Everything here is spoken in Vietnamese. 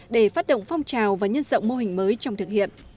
để phát động phong trào và nhân dọng mô hình mới trong thực hiện